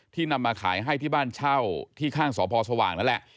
นำมาขายให้ที่บ้านเช่าที่ข้างสพสว่างนั่นแหละ